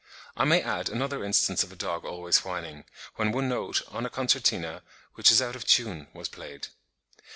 I may add another instance of a dog always whining, when one note on a concertina, which was out of tune, was played.)